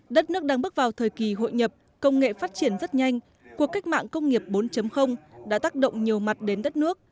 đất nước đang bước vào thời kỳ hội nhập công nghệ phát triển rất nhanh cuộc cách mạng công nghiệp bốn đã tác động nhiều mặt đến đất nước